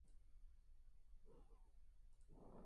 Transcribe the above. La película fue dirigida por Gill Dennis.